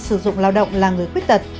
sử dụng lao động là người khuyết tật